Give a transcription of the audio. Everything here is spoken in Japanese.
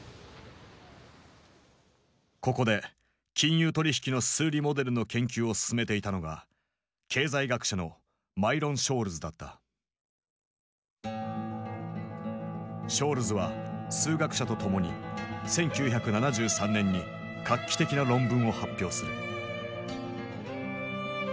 ここで金融取引の数理モデルの研究を進めていたのが経済学者のショールズは数学者と共に１９７３年に画期的な論文を発表する。